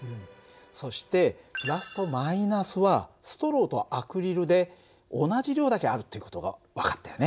そしてとはストローとアクリルで同じ量だけあるっていう事が分かったよね。